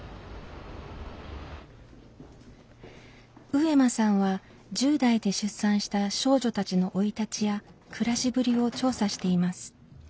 上間さんは１０代で出産した少女たちの生い立ちや暮らしぶりを調査しています。